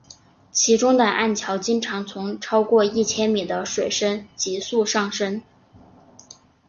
其中的暗礁经常从超过一千米的水深急速上升。